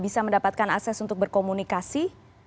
bisa mendapatkan akses untuk berkomunikasi